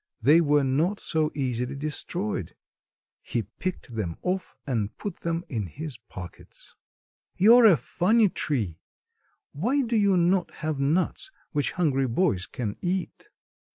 They were not so easily destroyed. He picked them off and put them in his pockets. "You're a funny tree! Why do you not have nuts which hungry boys can eat?"